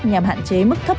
nhằm hạn chế mức thấp